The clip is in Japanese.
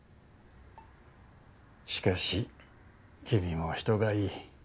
しかし君も人がいい。